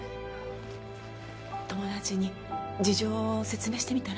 友達に事情を説明してみたら？